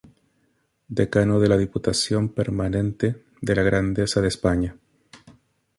Decano de la Diputación Permanente de la Grandeza de España.